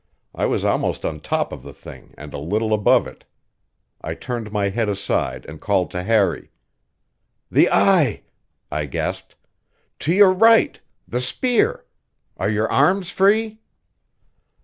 I was almost on top of the thing and a little above it. I turned my head aside and called to Harry. "The eye!" I gasped. "To your right! The spear! Are your arms free?"